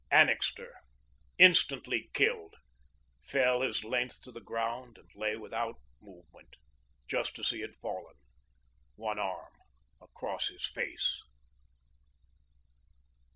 Annixter, instantly killed, fell his length to the ground, and lay without movement, just as he had fallen, one arm across his face.